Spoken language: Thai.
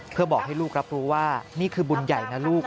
เพื่อบอกให้ลูกรับรู้ว่านี่คือบุญใหญ่นะลูก